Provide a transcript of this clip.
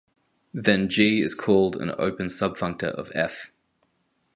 Then "G" is called an open subfunctor of "F".